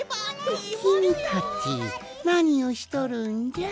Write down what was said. きみたちなにをしとるんじゃ？